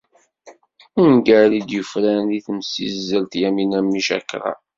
Ungal i d-yufraren deg temsizzelt Yamina Micakra.